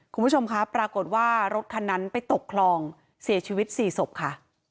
คุณผู้ชมครับปรากฏว่ารถคันนั้นไปตกคลองเสียชีวิต๔ศพค่ะ